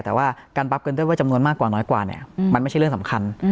แต่ว่าการรับกันด้วยว่าจำนวนมากกว่าน้อยกว่าเนี่ยมันไม่ใช่เรื่องสำคัญ